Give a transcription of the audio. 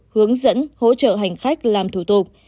hướng dẫn hỗ trợ hành khách làm thủ tục